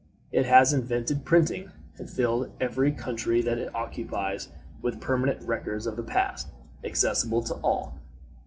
It has invented printing, and filled every country that it occupies with permanent records of the past, accessible to all.